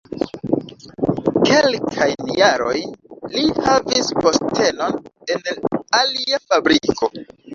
Kelkajn jarojn li havis postenon en alia fabriko.